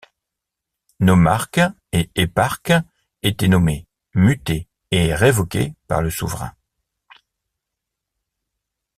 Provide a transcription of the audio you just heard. Nomarques et éparques étaient nommés, mutés et révoqués par le souverain.